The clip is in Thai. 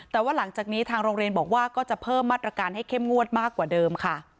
แต่ว่าหลังจากนี้ทางโรงเรียนบอกว่าก็จะเพิ่มมาตรการให้เข้มงวดมากกว่าเดิมค่ะ